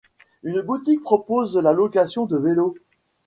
Une boutique propose la location de vélos.